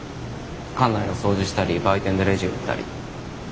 館内の掃除したり売店でレジ打ったり。